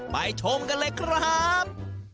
ชมกันเลยครับ